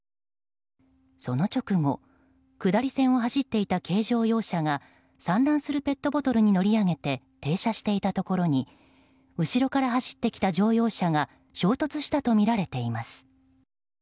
その直後下り線を走っていた軽乗用車が散乱するペットボトルに乗り上げて停車していたところに後ろから走ってきた乗用車が衝突したとみられています。